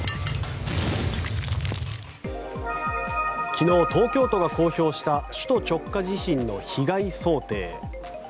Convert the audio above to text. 昨日、東京都が公表した首都直下地震の被害想定。